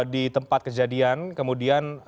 di tempat kejadian kemudian